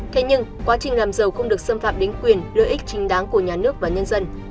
thế nhưng quá trình làm giàu không được xâm phạm đến quyền lợi ích chính đáng của nhà nước và nhân dân